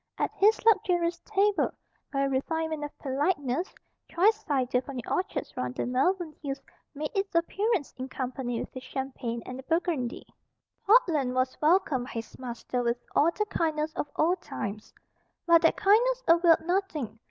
At his luxurious table, by a refinement of politeness, choice cider from the orchards round the Malvern Hills made its appearance in company with the Champagne and the Burgundy. Portland was welcomed by his master with all the kindness of old times. But that kindness availed nothing.